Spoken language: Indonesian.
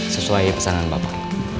sesuai pesanan bapak